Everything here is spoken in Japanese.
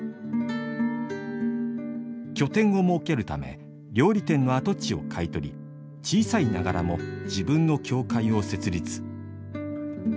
拠点を設けるため料理店の跡地を買い取り小さいながらも自分の教会を設立。